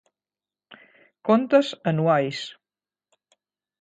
Contas anuais